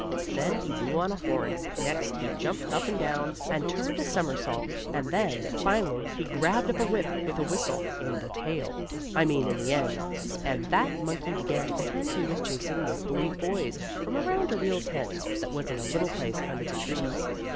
Then he blew on a horn, next he jumped up and down, and turned a somersault, and then, finally, he grabbed up a whip with a whistle in the tail I mean in the end and that monkey began to pretend he was chasing make believe boys from around a real tent that was in a little place under the trees.